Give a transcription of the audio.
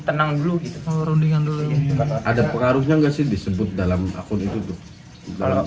tenang dulu gitu ada pengaruhnya nggak sih disebut dalam akun itu tuh dalam